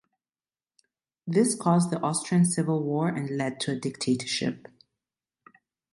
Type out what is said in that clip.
This caused the Austrian Civil War and led to a dictatorship.